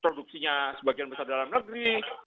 produksinya sebagian besar dalam negeri